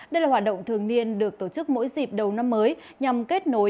đây là hoạt động thường niên được tổ chức mỗi dịp đầu năm mới nhằm kết nối